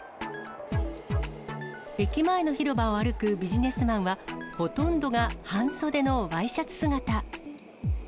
駅前の広場を歩くビジネスマンは、ほとんどが半袖のワイシャツ姿。